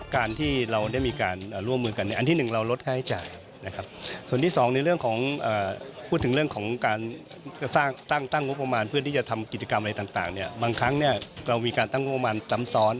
การที่เราได้มีการร่วมมือกันอันที่หนึ่งเราลดค่าใช้จ่าย